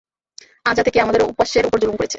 আজ রাতে কে আমাদের উপাস্যের উপর যুলুম করেছে?